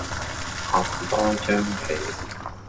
冚多張被